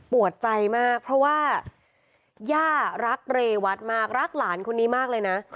ใจมากเพราะว่าย่ารักเรวัตมากรักหลานคนนี้มากเลยนะ